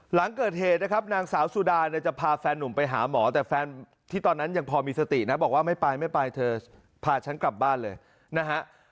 หลังเกิดเหตุนะครับนางสาวสุดาเนี่ยจะพาแฟนนุ่มไปหาหมอแต่แฟนที่ตอนนั้นยังพอมีสตินะบอกว่าไม่ไปไม่ไปเธอพาฉันกลับบ้านเลยนะฮะ